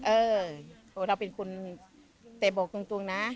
เออเราเป็นคุณเตะบกจริงนะ